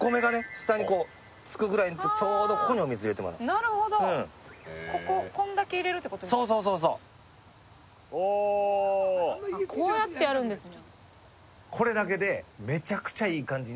下にこうつくぐらいのちょうどここにお水入れてもらうなるほどこここんだけ入れるってことそうそうそうそうおーっこうやってやるんですね